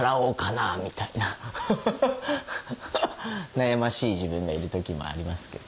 悩ましい自分がいる時もありますけど。